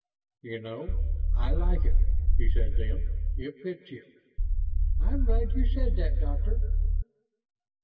"You know, I like it," he said then. "It fits you." "I'm glad you said that, Doctor...."